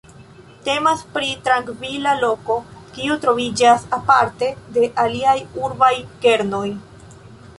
Temas pri trankvila loko, kiu troviĝas aparte de aliaj urbaj kernoj.